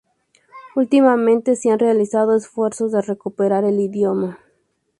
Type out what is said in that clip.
Últimamente, se han realizado esfuerzos de recuperar el idioma.